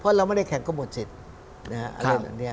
เพราะเราไม่ได้แข่งก็หมดเสร็จ